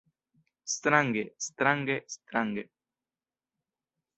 Strange, strange, strange.